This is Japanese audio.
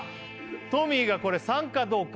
トミーがこれ３かどうか？